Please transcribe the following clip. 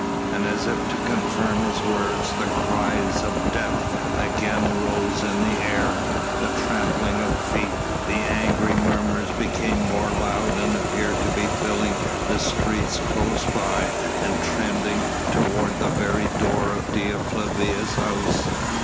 And as if to confirm his words, the cries of "Death!" again rose in the air; the tramping of feet, the angry murmurs became more loud and appeared to be filling the street close by and tending toward the very door of Dea Flavia's house.